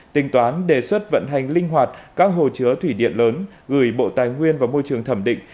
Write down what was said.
tính toán đề xuất vận hành linh hoạt các hồ chứa thủy điện lớn gửi bộ tài nguyên và môi trường thẩm định